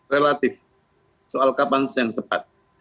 relatif soal kapan yang tepat